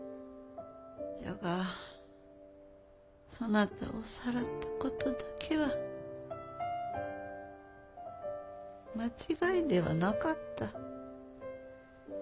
じゃがそなたをさらったことだけは間違いではなかった。